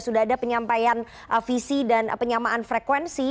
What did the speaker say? sudah ada penyampaian visi dan penyamaan frekuensi